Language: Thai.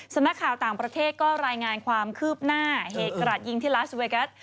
สำนักข่าวต่างประเทศก็รายงานความคืบหน้าเหตุกระดยิงที่ลาสเวกัส